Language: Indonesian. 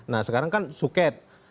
nah sekarang kan suket